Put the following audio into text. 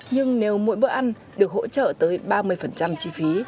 nhưng nếu mỗi bữa ăn được hỗ trợ tới ba mươi chi phí